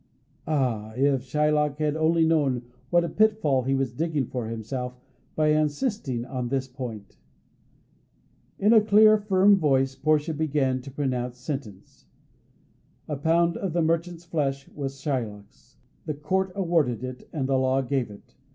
Ah, if Shylock had only known what a pitfall he was digging for himself by insisting on this point! In a clear, firm voice Portia began to pronounce sentence. A pound of the merchant's flesh was Shylock's; the court awarded it, and the law gave it.